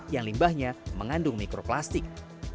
yang limbahnya mengandung mikroplastik